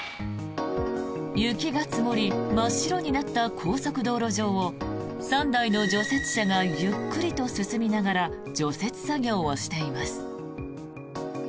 雪が積もり、真っ白になった高速道路上を３台の除雪車がゆっくりと進みながら除雪作業をしています。